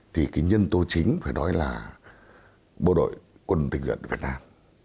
thì cái nhân tố chính phải nói là bộ đội quân tình nguyện việt nam